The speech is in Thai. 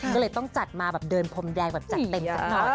ก็เลยต้องจัดมาเดินพรมแดงจัดเต็มจัดหน่อย